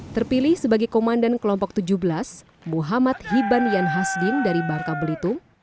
terpilih sebagai komandan kelompok tujuh belas muhammad hiban yan hasdin dari bangka belitung